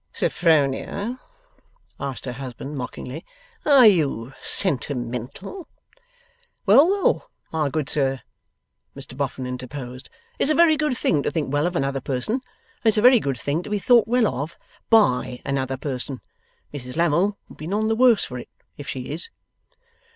'Sophronia,' asked her husband, mockingly, 'are you sentimental?' 'Well, well, my good sir,' Mr Boffin interposed, 'it's a very good thing to think well of another person, and it's a very good thing to be thought well of BY another person. Mrs Lammle will be none the worse for it, if she is.